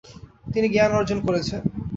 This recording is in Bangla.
তিনি জ্ঞান অর্জন করেছেন।